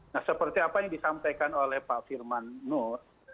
nah seperti apa yang disampaikan oleh pak firman nur